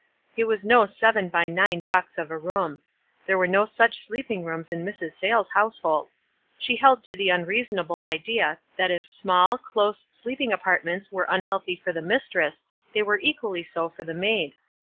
It was no seven by nine box of a room ; there were no such sleeping rooms in Mrs. Sayles' household. She held to the unreasonable idea that if small, close sleep ing apartments were unhealthy for the mistress they were equally so for the maid.